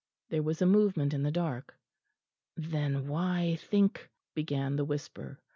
There was a movement in the dark. "Then why think " began the whisper.